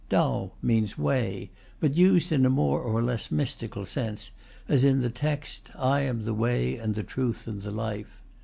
"Tao" means "way," but used in a more or less mystical sense, as in the text: "I am the Way and the Truth and the Life."